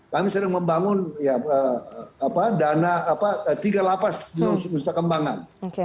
kami sedang membangun dana tiga lapas di nusa kembangan